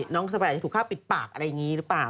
น้องสไปร์อาจจะถูกฆ่าเป็นปากอะไรแบบนี้หรือเปล่า